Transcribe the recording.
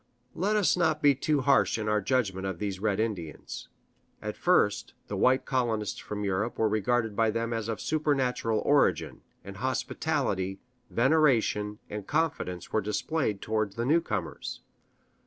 Let us not be too harsh in our judgment of these red Indians. At first, the white colonists from Europe were regarded by them as of supernatural origin, and hospitality, veneration, and confidence were displayed toward the new comers.